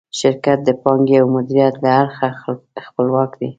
شرکت د پانګې او مدیریت له اړخه خپلواک دی.